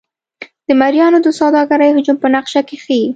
د مریانو د سوداګرۍ حجم په نقشه کې ښيي.